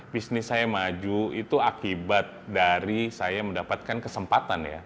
bisnis saya maju itu akibat dari saya mendapatkan kesempatan ya